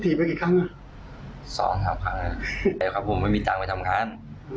ถีบไปทำครั้งตู้มันร้มหรืออางเงิน